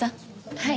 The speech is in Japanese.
はい。